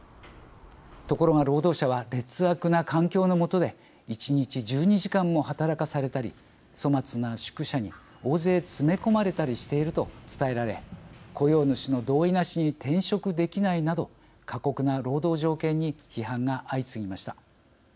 ところが労働者は劣悪な環境の下で１日１２時間も働かされたり粗末な宿舎に大勢詰め込まれたりしていると伝えられ雇用主の同意なしに転職できないなど過酷な労働条件に批判が相次ぎました。